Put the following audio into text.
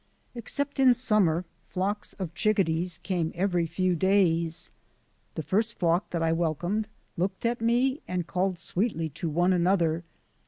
Except in summer, flocks of chickadees came every few days. The first flock that I welcomed looked at me and called sweetly to one another.